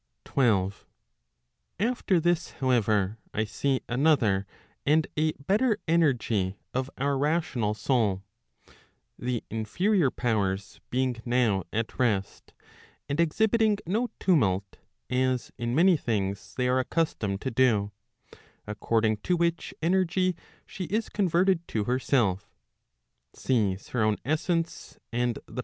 12. After this, however, I see another and a better energy of our ratibnal soul, the inferior powers being now at rest, and exhibiting no tumult, as in many things they are accustomed to do, according to which energy she is converted to herself, sees her own essence and the powers 1 1 Iram is omitted here in the version of Morbeka.